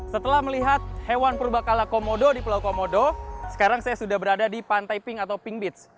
setelah melihat hewan purba kala komodo di pulau komodo sekarang saya sudah berada di pantai pink atau pink beach